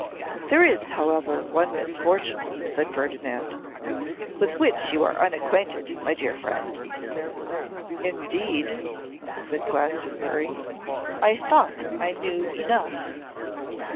'There is, however, one misfortune,' said Ferdinand, 'with which you are unacquainted, my dear friend.' 'Indeed!' said Glastonbury, 'I thought I knew enough.